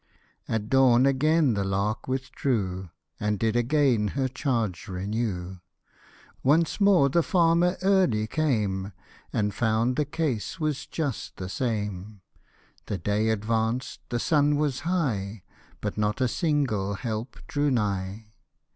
At dawn again the lark withdrew, And did again her charge renew. Once more the farmer early came, And found the case was just the same ; The day advanced, the sun was high ; But not a single help drew nigh.